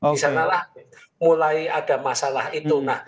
di sanalah mulai ada masalah itu